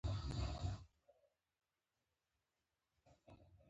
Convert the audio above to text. او د هندوانو انقلابي عناصر هم د ځان کړي.